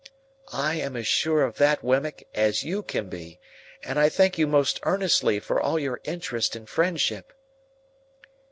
"I am as sure of that, Wemmick, as you can be, and I thank you most earnestly for all your interest and friendship."